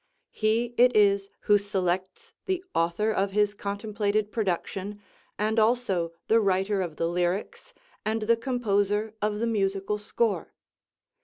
He it is who selects the author of his contemplated production, and also the writer of the lyrics and the composer of the musical score.